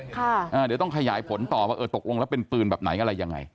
เดี๋ยวต้องขยายผลต่อว่าเออตกลงแล้วเป็นปืนแบบไหนอะไรยังไง